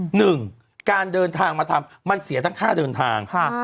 หนึ่งการเดินทางมาทำมันเสียทั้งค่าเดินทาง